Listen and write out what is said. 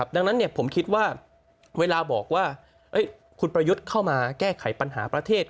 ดังนั้นผมคิดว่าเวลาบอกว่าคุณประยุทธ์เข้ามาแก้ไขปัญหาประเทศ